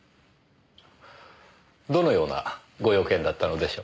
どのようなご用件だったのでしょう？